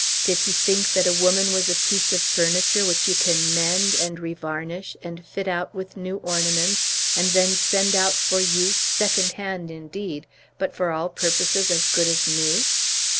Did he think that a woman was a piece of furniture which you can mend, and revarnish, and fit out with new ornaments, and then send out for use, second hand indeed, but for all purposes as good as new?